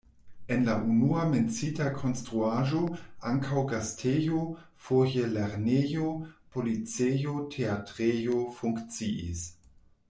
En la unua menciita konstruaĵo ankaŭ gastejo, foje lernejo, policejo, teatrejo funkciis.